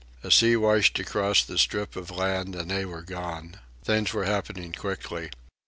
A sea washed across the strip of sand, and they were gone. Things were happening quickly.